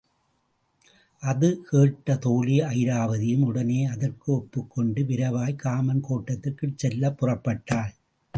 அது கேட்ட தோழி அயிராபதியும் உடனே அதற்கு ஒப்புக்கொண்டு விரைவாய்க் காமன் கோட்டத்திற்குச் செல்லப்புறப்பட்டாள்.